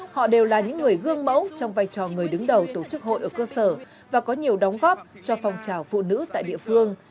họ đều là những người gương mẫu trong vai trò người đứng đầu tổ chức hội ở cơ sở và có nhiều đóng góp cho phong trào phụ nữ tại địa phương